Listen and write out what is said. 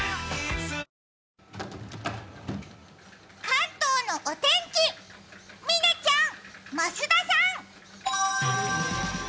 関東のお天気、嶺ちゃん、増田さん！